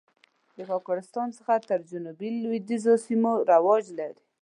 د کاکړستان څخه تر جنوب لوېدیځو سیمو رواج لري.